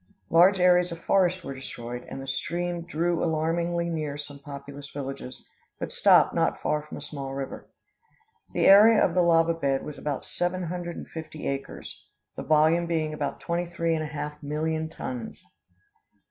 Large areas of forest were destroyed, and the stream drew alarmingly near some populous villages, but stopped not far from a small river. The area of the lava bed was about seven hundred and fifty acres, the volume being about twenty three and a half million tons.